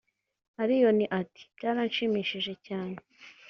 Allioni ati “ Byaranshimishije cyane